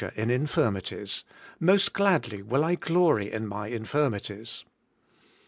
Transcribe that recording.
208 ABIDE IN CHRIST: infirmities; most gladly will I glory in my infirmities.'